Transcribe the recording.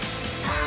さあ